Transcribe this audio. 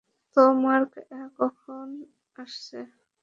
তো, মার্ক কখন আসছে?